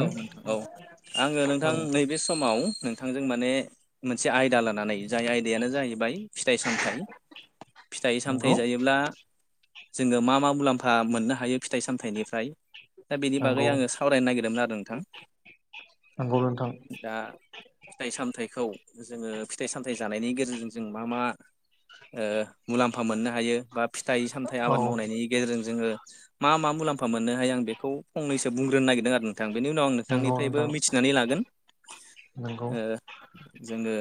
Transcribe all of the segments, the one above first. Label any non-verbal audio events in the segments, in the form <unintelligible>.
औ नोंथां औ आङो नोंथां नंगौ नैबे समाव नो नोंथांजों माने मोनसे आयदा लानानै जाय आयदायानो जाहैबाय फिथाइ सामथाइ फिथाइ सामथाइ जायोब्ला जोङो मा मा मुलाम्फा मोननो हायो फिथाइ सामथाइनिफ्राय दा बेनि बागै नंगौ आङो नागिरदोंमोन आरो नोंथां नंगौ नोंथां दा फिथाइ सामथाइखौ जोङो फिथाइ सामथाइ जानायनि गेजेरजों जों मा मा ओ मुलाम्फा मोननो हायो बा फिथाइ सामथाइ औ आबाद मावनायनि गेजेरजों जोङो मा मा मुलाम्फा मोननो हायो आं बेखौ फंनैसो बुंनो दोन्नो नागिरदों आरो नो नोंथां बेनि उनाव आं नंगौ नोंथांनिफ्रायबो नोंथां मिथिनानै लागोन नंगौ ओ जोङो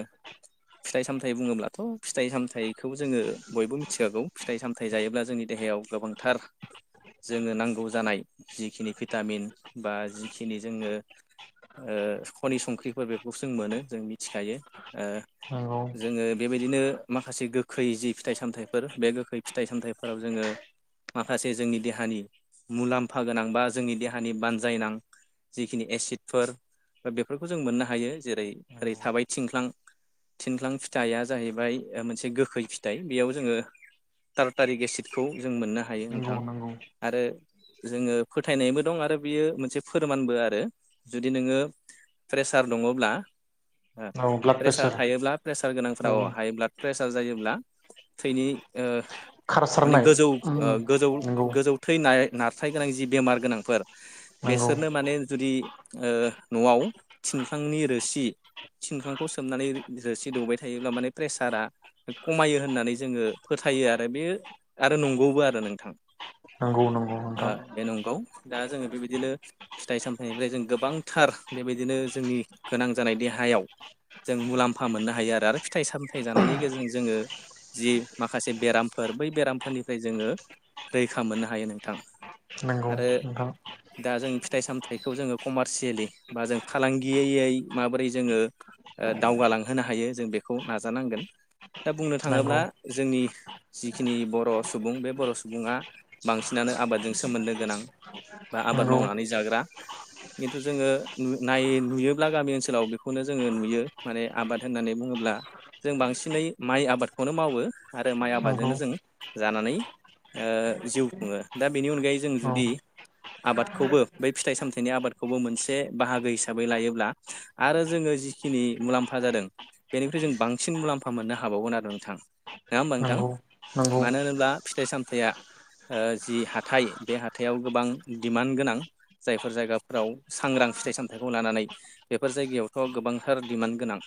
फिथाइ सामथाइ बुङोब्लाथ' फिथाइ सामथाइखौ जोङो। बयबो मिथिखागौ फि थाइ सामथाइ जायोब्ला जोंनि देहायाव गोबांथार। जोङो नांगौ जानाय। जिखिनि भिटामिन। बा जिखिनि जोङो ओ खनि संख्रिफोर बेफोरखौ जों मोनो जों मिथिखायो। ओ नंगौ जोङो बेबायदिनो। माखासे गोखै जि फिथाइ सामथाइफोर बे गोखै फिथाइ सामथाइफोराव जोङो माखासे जोंनि देहानि मुलाम्फा गोनां बा जोंनि देहानि बान जायनां जिखिनि एसिडफोर बेफोरखौ जों मोननो हायो जेरै ओरै थाबाय थिनख्लां थिनख्लां फिथाइया जाहैबाय मोनसे गोखै फिथाइ बेयाव जोङो टारटारिक एसिडखौ जों मोननो हायो नंगौ नोंथां नंगौ आरो जोङो फोथायनायबो दं आरो बेयो मोनसे फोरमानबो आरो जुदि नोङो प्रेसार दङब्ला। ओ औ ब्लाड प्रेसार थायोब्ला प्रेसार औ गोनांफोराव हाइब्ला प्रेसार जायोब्ला थैनि ओ माने खारसारनाय गोजौ ओ गोजौ नंगौ गोजौ थैनाय नारथाइ गोनां जि बेमार गोनांफोर नंगौ बेसोरनो माने जुदि ओ न'आव थिनख्लांनि रोसि थिनख्लांखौ सोमनानै रोसि दौबाय थायोब्ला माने प्रेसारा खमायो होननानै जोङो फोथायो आरो बे आरो नोंगौबो आरो नोंथां नोंगौ नोंगौ ओ नोंथां बे नंगौ दा जोङो बेबायदिनो फिथाइ सामथाइनिफ्राय जों गोबांथार बेबायदिनो जोंनि गोनां जानाय देहायाव जों मुलाम्फा मोननो हायो आरो आरो फिथाइ सामथाइ जानायनि गेजेरजों जोङो जि माखासे बेरामफोर बै बेरामफोरनिफ्राय जोङो रैखा मोननो हायो नोंथां नोंगौ आरो नों दा जों फि थाइ सामथाइखौ जोङो कमारसियेलि बा जों फालांगियै यै माबोरै जोङो दावगालांहोनो हायो जों बेखौ नाजानांगोन। दा बुंनो नंगौ थाङोब्ला जोंनि। जिखिनि बर' सुबुं बे बर' सुबुङा बांसिनानो आबादजों सोमोन्दो गोनां। बा आबाद नंगौ मावनानै जाग्रा। खिन्थु जोङो नु नाय नुयोब्ला गामि ओनसोलाव बेखौनो जोङो नुयो माने आबाद होननानै बुङोब्ला जों बांसिनै माइ आबादखौनो मावो। आरो माइ नंगौ आबादजोंनो जों जानानै ओ जिउ खुङो दा बेनि अनगायै जों औ जुदि आबादखौबो बै फिथाइ सामथाइनि आबादखौबो मोनसे बाहागो हिसाबै लायोब्ला आरो जोङो जिखिनि मुलाम्फा जादों बेनिख्रुइ जों बांसिन मुलाम्फा मोननो हाबावगोन आरो नोंथां नोङा होमबा नोंथां नंगौ नंगौ मानो होनोब्ला फिथाइ सामथाइया ओ जि हाथाइ बे हाथाइयाव गोबां डिमान्ड गोनां जायफोर जायगाफोराव सांग्रां फिथाइ सामथाइखौ लानानै बेफोर जायगायावथ' गोबांथार डिमान्ड गोनां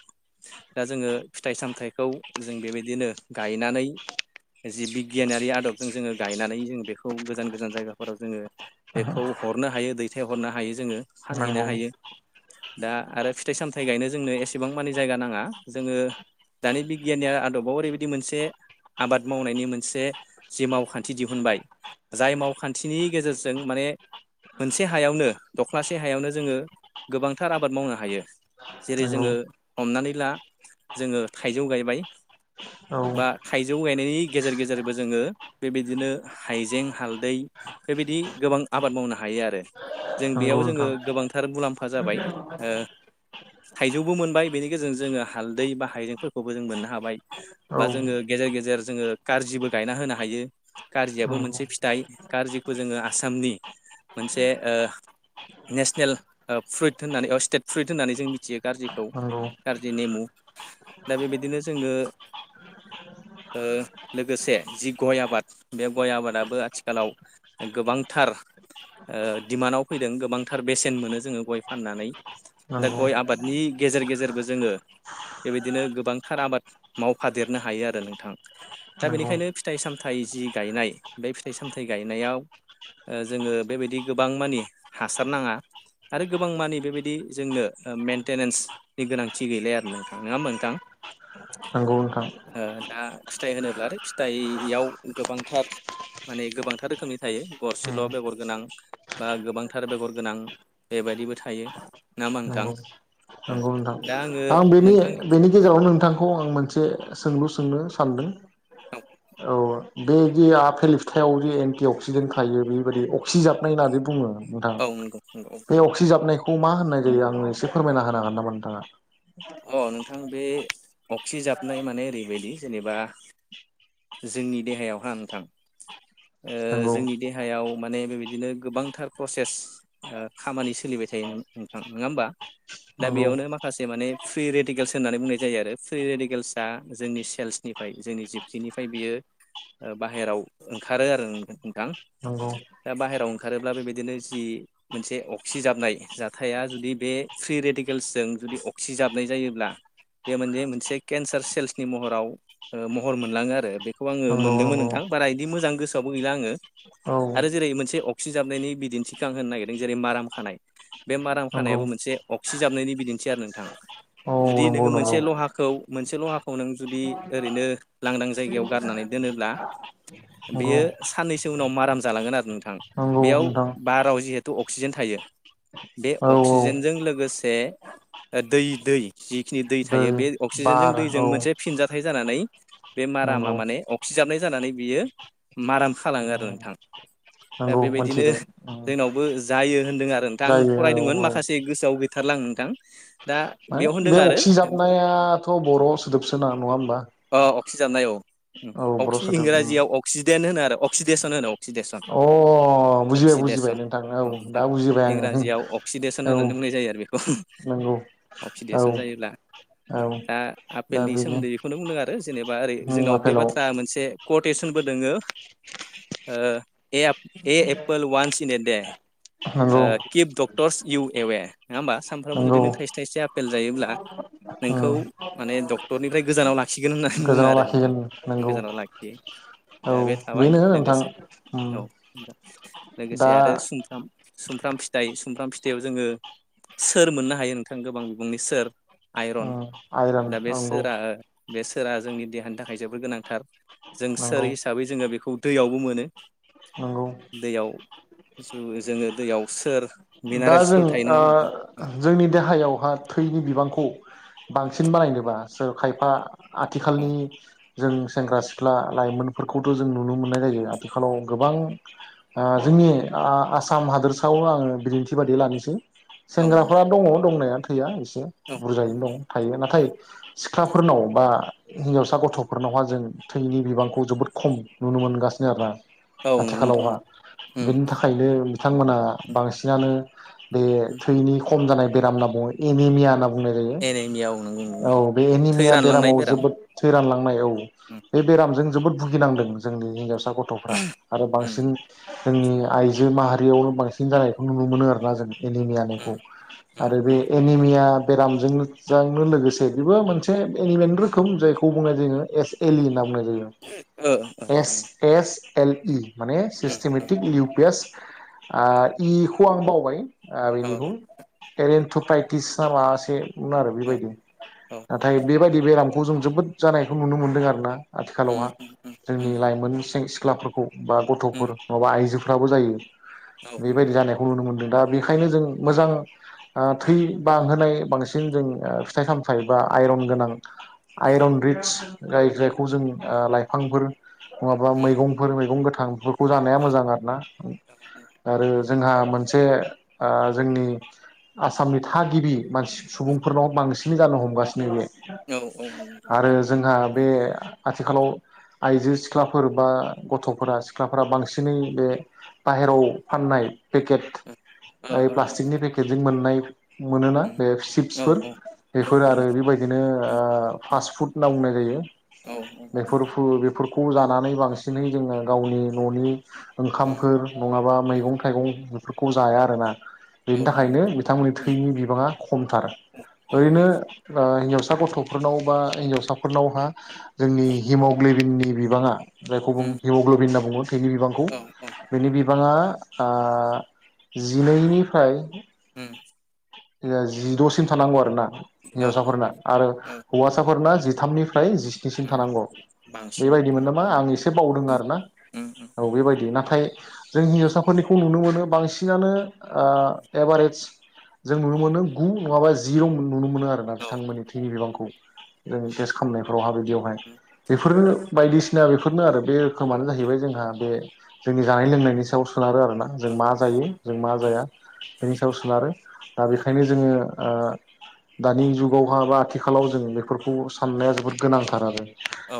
दा जोङो फिथाइ सामथाइखौ जों बेबायदिनो गायनानै जि बिगियानारि आदबजों जोङो गायनानै जों बेखौ गोजान गोजान जायगाफोराव जोङो बेखौ हरनो हायो दैथाय हरनो हायो जोङो फानहैनो नंगौ हायो दा आरो फिथाइ सामथाइ गायनो जोंनो एसेबां मानि जायगा नाङा जोङो दानि बिगियान नि आदबाव ओरैबायदि मोनसे आबाद मावनायनि मोनसे जि मावखान्थि दिहुनबाय जाय मावखान्थिनि गेजेर जों माने मोनसे हायावनो दख्लासे हायावनो जोङो गोबांथार आबाद मावनो हायो जेरै नंगौ जोङो हमनानै ला जोङो थाइजौ गायबाय औ बा थाइजौ गायनायनि गेजेर गेजेरबो जोङो बेबायदिनो हाइजें हालदै बेबायदि गोबां आबाद मावनो हायो आरो जों नंगौ बेयाव जोङो नोंथां गोबांथार मुलाम्फा जाबाय ओ थाइजौबो मोनबाय बेनि गेजेरजों जोङो हालदै बा हाइजेंफोरखौबो जों मोननो हाबाय औ बा जोङो गेजेर गेजेर जोङो कारजिबो गायना होनो हायो कारजियाबो नंगौ मोनसे फिथाइ कारजिखौ जोङो आ सामनि मोनसे ओ नेसनेल ओ फ्रुइट होननानै औ स्टेट फ्रुइट होननानै जों मिथियो कारजिखौ नंगौ कारजि नेमु दा बेबायदिनो जोङो ओ लोगोसे जि गय आबाद बे गय आबादाबो आथिखालाव गोबां थार ओ डिमान्डआव फैदों गोबांथार बेसेन मोनो जोङो गय फाननानै दा नंगौ गय आबादनि गेजेर गेजेरबो जोङो बेबायदिनो गोबांथार आबाद मावफादेरनो हायो आरो नोंथां दा नंगौ बेनिखायनो फिथाइ सामथाइ जि गायनाय बे फिथाइ सामथाइ गायनायाव ओ जोङो बेबायदि गोबां मानि हासार नाङा आरो गोबां मानि बेबायदि जोंनो ओ मेनटेनेन्सनि गोनांथि गैलाया आरो नोंथां नोङा होमबा नोंथां नंगौ नोंथां ओ दा फिथाइ होनोब्ला आरो फिथाइयाव गोबांथार माने गोबांथार रोखोमनि थायो। गरसेल' बेगर गोनां बा गोबांथार बेगर गोनां बेबायदिबो थायो ना मा नोंथां? नंगौ नंगौ नोंथां दा आङो आं बेनि नोंथांनि बेनि गेजेरावनो नोंथां खौ आं मोनसे सोंलु सोंनो सानदों। औ बे जि आफेल फिथाइाव जि एन्टि अक्सिडेन्ट थायो बेबायाददि अक्सिजाबनाय होननानै बुङो नोंथां औ नंगौ नंगौ बे अक्सि जाबनायखौ खौ मा होननाय जायो आं एसे फोरमायना होनांगोन नामा नोंथांङा? अ नोंथां बे अक्सि जाबनाय माने ओरैबायदि जेनेबा जोंनि देहायावहा नोंथां ओ नंगौ जोंनि देहायाव माने बेबायदिनो गोबांथार प्रसेस ओ खामानि सोलिबाय थायो नङा होमबा दा नंगौ बेयावनो माखासे माने फ्रि रेडिकेल्स होननानै बुंनाय जायो आरो फ्रि रेडिकेल्सआ जोंनि सेल्सनिफ्राय जोंनि जिबखिनिफ्राय बियो ओ बाहेरायाव ओंखारो आरो नोंथां नंगौ दा बाहेरायाव ओंखारोब्ला बेबायदिनो जि मोनसे अक्सिजाबनाय जाथाया जुदि बे फ्रि रेडिकेल्सजों जुदि अक्सिजाबनाय जायोब्ला बे मोने मोनसे केन्सार सेल्सनि महराव ओ महर मोनलाङो आरो बेखौ आङो मोनदोंमोन नंगौ नंगौ नोंथां बारा बिदि मोजां गोसोआवबो गैला आङो औ आरो जेरै मोनसे अक्सिजाबनायनि बिदिन्थिखौ आं होनो नागिरदों जेरै माराम खानाय बे माराम नंगौ खानायाबो मोनसे अक्सिजाबनायनि बिदिन्थि आरो नोंथां। औ जुदि नोङो नंगौ नंगौ मोनसे लहाखौ मोनसे लहाखौ नों जुदि ओरैनो लांदां जायगायाव गारनानै दोनोब्ला नंगौ बेयो साननैसो उनाव माराम जालांगोन आरो नोंथां नंगौ बेयाव नोंथां बाराव जिहेथु अक्सिजेन थायो बे औ अक्सिजेनजों लोगोसे ओ दै दै जिखिनि दै थायो बे अ अक्सिजेनजों बार दैजों औ मोनसे फिनजा थाय जानानै बे मारामा नंगौ माने अक्सिजाबनाय जानानै बियो माराम खालाङो आरो नोंथां। दा नंगौ बेबायदिनो मोनथिबाय जोंनाव बो जायो होनदों आरो नोंथा आं जायो फरायदोंमोन औ माखासे गोसोआव गैथारला नों थां मा बे अक्सिजाबनायाथ' बर'आव सोदोबसोना नङा होमबा? सिजाबनाय औ उम औ बर' अक्सि सोदोब उम इंराजियाव अक्सिडेन होनो आरो। अक्सिडेसन होनो। अक्सिडेसन अ बुजिबाय अक्सिडेसन बुजिबाय नोंथां औ नोंथां दा बुजिबाय इंराजियाव अक्सिडेसन आङो औ होननानै बुंनाय जायो आरो बेखौ नोंगौ। अक्सिडेसन जायोब्ला औ दा दा आपेलनि बेनो सोमोन्दै बेखौनो बुंदों आरो जेनेबा ओरै उम जोंनाव बे आफेलाव बाथ्रा मोनसे कटेसनबो दोङो। ओ आ ए एप्पल वानस इन ए दे नंगौ ओ किफ दक डक्टरस इउ एवे नङा होमबा सानफ्रामबो जुदि नंगौ नों थाइसे थाइसे आपेल जायोब्ला नोंखौ उम माने डक्टरनिफ्राय गोजानाव ला खिगोन होननानै बुङो गोजानाव आरो नोंथां लाखिगोन नंगौ गोजानाव लाखियो औ दा बे थाबाय बेनो नोंथां लोगोसे उम औ दा लोगोसे आरो सुमफ्राम सुमफ्राम फिथाइ सुमफ्राम फिथाइयाव जोङो सोर मोननो हायो नोंथां गोबां बिबुंनि सोर आइरन। उम आइरन दा नंगौ बेसोरा बे सो सोरा जोंनि देहानि थाखाय जोबद गोनांथार जों सोर नंगौ हिसाबै जोङो बेखौ खौ दैयावबो मोनो नंगौ दैयाव ज जोङो दैयाव सोर दा जों मिनारेल्सफोर थायो ओ नङा होमबा नोंथां जोंनि देहायावहा थैनि बिबांखौ खौ बांसिन बानायनोबा सोर खायफा औ आथिखालनि जों सेंग्रा सिख्ला लाइमोनफोरखौथ' जों नुनो मोननाय जायो आथिखालाव गोबां ओ जोंनि आ- आसाम हादोरसायाव आङो बिदिन्थि बिबायदि लानोसै औ सेंग्राफ्रा दङ दंनाया थैया एसे औ बुरजायैनो दं थायो नाथाय सिख्लाफोरनाव बा हिन्जावसा गथ'फोरनावहा जों थैनि बिबांखौ जोबोद खम नुनो मोनगासिनो आरोना औ नंगौ नोंथां औ आथिखालावहा उम बेनि थाखायनो बिथांमोना बांसिनानो बे थैनि खम जानाय बेराम होनना बुङो एमिमिया होना बुंनाय जायो एनिमिया औ नंगौ नंगौ नोंथां औ बे थै एनिमिया रानलांनाय बेरामाव बेराम जोबोद थै रानलां औ उम बे बेरामजों जोबोद भुगिनांदों जोंनि आ गथ'फ्रा आरो उम बांसिन जोंनि आइजो माहारियावनो बांसिन जानायखौ नुनो मोनो आरो <unintelligible> एनिमिया उम मुंखौ उम आरो बे एनिमिया बेरामजों लोगजां नो लोगोसे बेबो मोनसे एनिमियानो रोखोम जायखौ बुंनाय जायो एसएलि होनना ओ ओ बुंनाय एस एस एल प माने उम औ सिस्टेमेटिक इउ पि एस आं इखौ आं बावबाय आ औ बेनिखौ एरेन तुपाइटिस ना माबामोनसे उमआरो औ बेबायदि औ नंगौ नाथाय नोंथां। बेबायदि बेराम खौ जों जोबोद जानायखौ नुनो मोनदों आरो ना उम आथिखालावहा उम उम जोंनि उम लाइमोन सें- सि सिख्लाफोरखौ बा गथ'फोर उम माबा आइजो फोराबो जायो औ बेबायदि नंगौ जानायखौ नुनो मोन्दों। बेखायनो जों मोजां थै बांहोनाय बांसिन जों फिथाइ सामथायाइ बा आइरन गोनां उम आइरन रित्स जाय जायखौ जों लाइफांफोर नंङाबा उम मैगंफोर मैगं गोथां <unintelligible> खौ जानाया उम मोजां आरोना औ नंगौ ओ औ नंगौ औ आरो जोंहा मोनसे ओ जोंनि आसामनि थागिबि मानसि सुबुंफोरनाव बांसिन जानो हमगासिनो बे आरो जोंहा बे आथिखालाव आइजो सिख्लाफोर बा गथ'फोरा सिख्लाफोरा बांसिनै बे बाहेराव फाननाय पेकेट प्लास्टिकनि पेकेटजों मोननाय मोनोना बे चिप्सफोर बेफोर आरो बेबायदिनो ओ फास्ट फुड होनना बुंनाय जायो। बेफोरखौ बेफोर खौ जानानै बांसिनै जोङो गावनि न'नि ओंखामफोर नंङाबा मैगं थाइगं बेफोरखौ जाया आरोना। बेनि थाखायनो बिथांमोननि थैनि बिबाङा खमथार ओरैनो ओ हिनजावसा फिसा गथ'फोरनाव बा हिनजावसाफोरनावहा जोंनि हिमग्लेबिननि बिबाङा जायखौ बुं हेम'ग्ल'बिन होनना बुंङो थैनि बिबांखौ बेनि बिबांङा ओ जि नैनिफ्राय होम जिद'सिम थानांगौ आरो ना। औ हिजावसाफोरना आरो हौवासाफोरना जिथामनि फ्राय जिस्निसिम थानांगौ बांसिन औ बेबायदिमोन औ नामा आं औ एसे बावदों आरोना औ बेबायदि नाथाय जों हिन्जावसाफोरनिखौ नुनो मोनो बांसिनानो ओ एभारेइस जों नुनो मोनो गु नङाबा जिर मोन नुनो मोनो आरोना औ बिथांमोननि थैनि बिबांखौ । नों टेस्ट खालामनायफोराव हाबायदियावहाय बेफोरनो बायदिसि सिना बेफोरनो आरो बे रोखोमानो जाहैबाय जोंहा बे जोंनि जानाय लोंनायनि सायावस सोनारो आरोना जों मा औ जायो जों मा जाया बेनि सायाव सोनारो दा बेखायनो जोङो ओ - ओ दानि जुगावहा बा आथिखालाव जों बेफोरखौ साननाया जोबोद गोनांथार आरो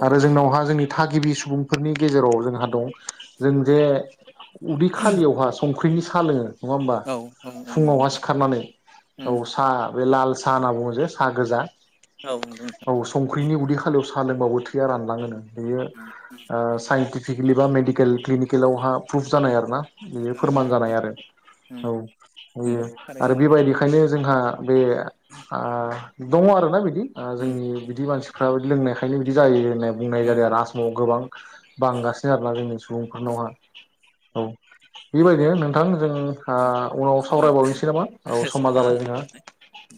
आरो जोंनावहा जोंनि थाग गिबि सुबुंफोरनि गेजेराव जोंहा दं जों जे उदै खालियावहा सं संख्रिनि साह लोङो नङा होमबा फुङावहा सिखारनानै औ साहा बे लाल साह होनना बुङो जे साहा गोजा औ संख्रिनि उद दै खालियाव साह लोंबाबो थैया रानलाङो नो । बेयो ओ साइन्टिक फिकेलि बा मेडिकेल क्लिनिकेलावहा प्रुफ जानाय आरोना। बेयो फोरमान जानाय आरो औ नंगौ बेयो आरो थारैनो बेबायदिखायनो जोंहा बे आ दङ आरोना बिदि ओ जोंनि बिदि मानसिफ्राब लोंनायखायनो बिदि जायो बुंनाय जादों आरोना आसामाव गोबां बांगासिनो आरोना जोंनि सुबुंफोरनावहा । औ बेबायदिनो नोंथां जों आ उनाव समा सावरायबावनोसै नामा औ समा जाबाय नोंहा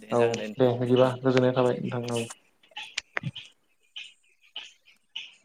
दे औ जागोन दे नोंथां। बिदिबा गोजोननाय थाबाय नोंथां औ। <inaudible>